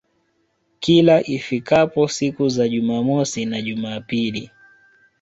Kila ifikapo siku za Jumamosi na Jumapili